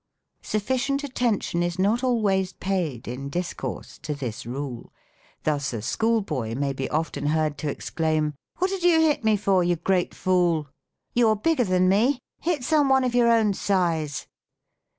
Sufficient attention is not always paid, in discourse, to this rule. Thus, a schoolboy may be often heard to exclaim, " What did you hit me for, you great fool ? vou're bigger than me. Hit some one of your own siae!"